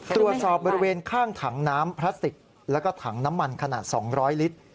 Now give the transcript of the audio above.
ตรวจสอบบริเวณข้างถังน้ำพลาสติกแล้วก็ถังน้ำมันขนาด๒๐๐ลิตร